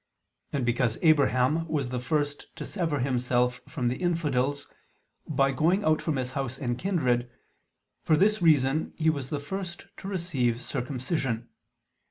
And because Abraham was the first to sever himself from the infidels, by going out from his house and kindred, for this reason he was the first to receive circumcision.